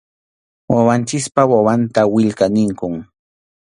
Wawanchikpa wawanta willka ninkum.